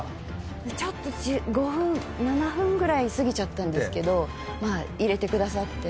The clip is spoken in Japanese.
ちょっと５分７分ぐらい過ぎちゃったんですけど入れてくださって。